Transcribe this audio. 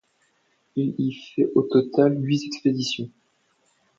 Il y a fait au total huit expéditions.